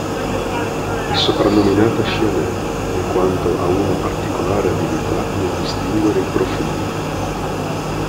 È soprannominata Scianel, in quanto ha una particolare abilità nel distinguere i profumi.